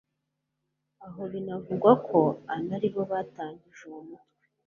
aho binavugwa ko anaribo batangije uwo mutwe